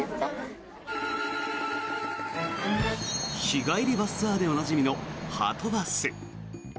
日帰りバスツアーでおなじみのはとバス。